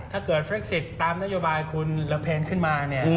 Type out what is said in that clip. ถ้าเกิดฟเล็กซิสตามนโยบายคุณละเพนขึ้นมา